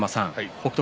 北勝